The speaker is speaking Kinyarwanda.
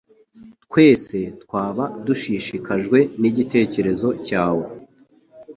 Twese twaba dushishikajwe nigitekerezo cyawe.